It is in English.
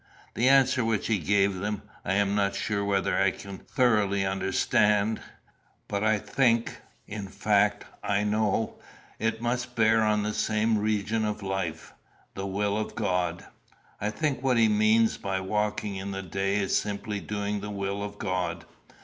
The answer which he gave them I am not sure whether I can thoroughly understand; but I think, in fact I know, it must bear on the same region of life the will of God. I think what he means by walking in the day is simply doing the will of God.